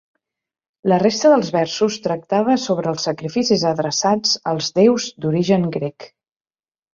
La resta dels versos tractava sobre els sacrificis adreçats als déus d'origen grec.